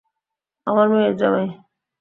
আমার মেয়ের জামাই।